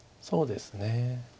そうですね。